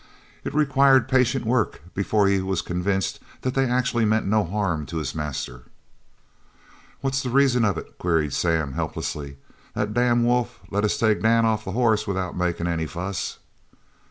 It required patient work before he was convinced that they actually meant no harm to his master. "What's the reason of it?" queried Sam helplessly. "The damn wolf let us take Dan off the hoss without makin' any fuss."